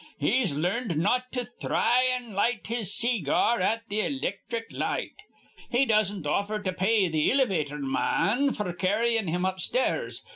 He's larned not to thry an' light his see gar at th' ilicthric light. He doesn't offer to pay th' ilivator ma an f'r carryin' him upstairs.